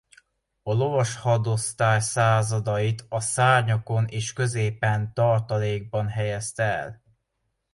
A lovashadosztály századait a szárnyakon és középen tartalékban helyezte el.